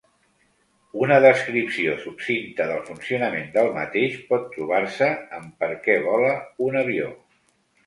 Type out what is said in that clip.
Una descripció succinta del funcionament del mateix pot trobar-se en Per què vola un avió.